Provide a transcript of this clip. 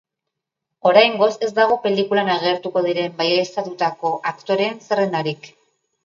Oraingoz, ez dago pelikulan agertuko diren baieztatutako aktoreen zerrendarik.